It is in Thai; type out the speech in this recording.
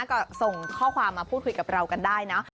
ก็ส่งข้อความมาพูดคุยกับเรากันได้เนอะ